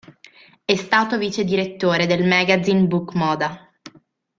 È stato vicedirettore del magazine Book Moda.